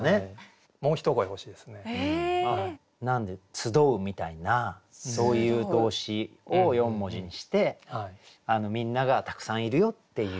「つどう」みたいなそういう動詞を４文字にしてみんながたくさんいるよっていう。